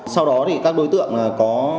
sau đó thì các đối tượng có